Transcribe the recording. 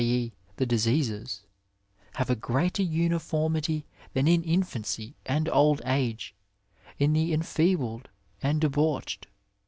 e., the diseases, have a greater uniformity than in infancy and old age, in the en&ebled and debauched.